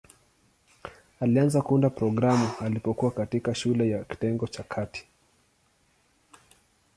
Alianza kuunda programu alipokuwa katikati shule ya kitengo cha kati.